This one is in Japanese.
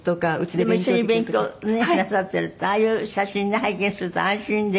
でも一緒に勉強ねなさってるとああいう写真ね拝見すると安心できますよね。